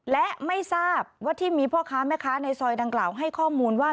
และไม่ทราบว่าที่มีพ่อค้าแม่ค้าในซอยดังกล่าวให้ข้อมูลว่า